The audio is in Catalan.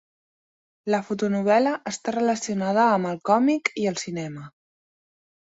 La fotonovel·la està relacionada amb el còmic i el cinema.